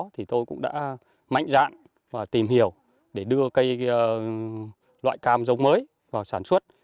thì tôi cũng đã mạnh dạn và tìm hiểu để đưa loại cam giống mới vào sản xuất